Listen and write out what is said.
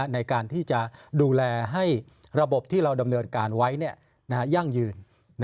ในการที่จะดูแลให้ระบบที่เราดำเนินการไว้ยั่งยืน